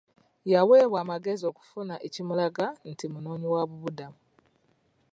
Yaweebwa amagezi okufuna ekimulaga nti munoonyi wa bubudamu.